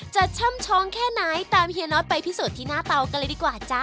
ช่ำช้องแค่ไหนตามเฮียน็อตไปพิสูจน์ที่หน้าเตากันเลยดีกว่าจ๊ะ